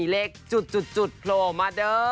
เลขจุดโปรมาเดอร์